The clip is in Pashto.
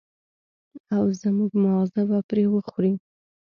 او زموږ ماغزه به پرې وخوري.